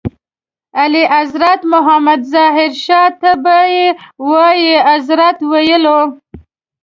اعلیحضرت محمد ظاهر شاه ته به یې وایي اذرت ویلو.